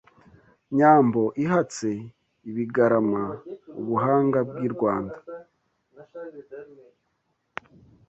Nyambo ihatse ibigarama Ubuhanga bw'i Rwanda